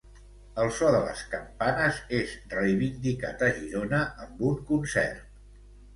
El so de les campanes és reivindicat a Girona amb un concert.